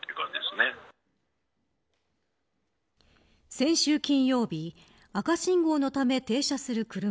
先週金曜日赤信号のため停車する車。